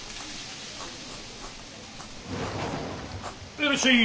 いらっしゃい。